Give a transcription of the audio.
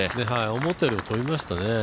思ったよりも飛びましたね。